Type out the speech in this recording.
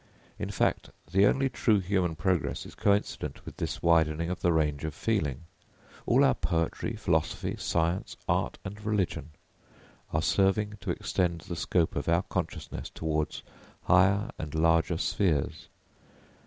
In fact, the only true human progress is coincident with this widening of the range of feeling. All our poetry, philosophy, science, art and religion are serving to extend the scope of our consciousness towards higher and larger spheres.